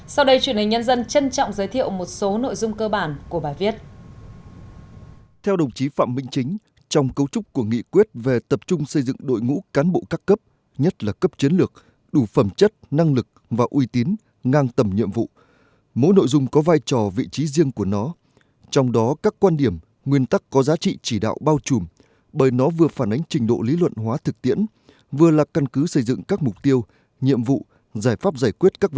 sau đây truyền hình nhân dân trân trọng giới thiệu một số nội dung cơ bản của bài viết